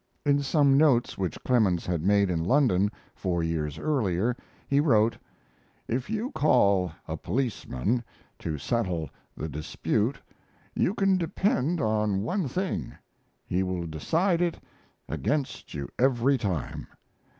In some notes which Clemens had made in London four years earlier he wrote: If you call a policeman to settle the dispute you can depend on one thing he will decide it against you every time.